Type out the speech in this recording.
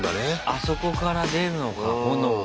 あそこから出るのか炎が。